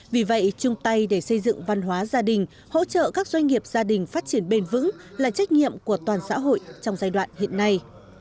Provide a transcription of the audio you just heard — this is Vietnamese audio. vì vậy chung tay để xây dựng văn hóa gia đình hỗ trợ các doanh nghiệp gia đình phát triển bền vững là trách nhiệm của toàn xã hội trong giai đoạn hiện nay